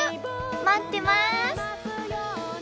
待ってます！